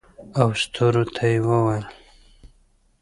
او ستورو ته یې وویل